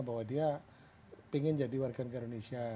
bahwa dia ingin jadi warga negara indonesia